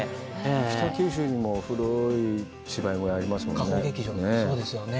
北九州にも古い芝居小屋ありますよね。